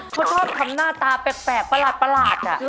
เขาชอบทำหน้าตาแปลกประหลาด